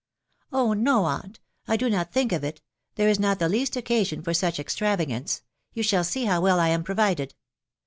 " Oh no, aunt !.... I do no not think of it, — there is not the least occasion for such extravagance ; you shall see how welll am provided."